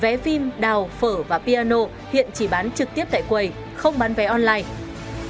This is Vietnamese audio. vé phim đào phở và piano hiện chỉ bán trực tiếp tại quầy không bán vé online